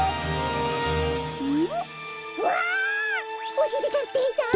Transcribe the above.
おしりたんていさん！